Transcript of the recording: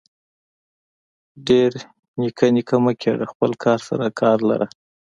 ډير نيکه نيکه مه کيږه خپل کار سره کار لره.